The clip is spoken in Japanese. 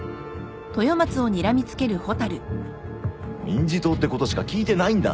民事党ってことしか聞いてないんだ。